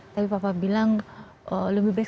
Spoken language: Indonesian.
tapi papa bilang lebih baik